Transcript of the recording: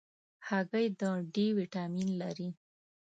هګۍ د D ویټامین لري.